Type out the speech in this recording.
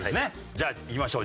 じゃあいきましょう。